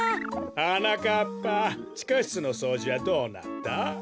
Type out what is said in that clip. はなかっぱちかしつのそうじはどうなった？